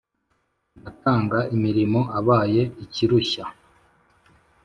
ndakanga mirimo abaye ikirushya !"